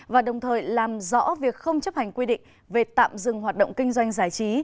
và đồng thời làm rõ việc không chấp hành quy định về tạm dừng hoạt động kinh doanh giải trí